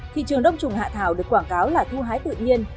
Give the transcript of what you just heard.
thị trường đông trùng hạ thảo được quảng cáo là thu hái tự nhiên